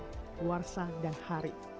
puarsa dan hari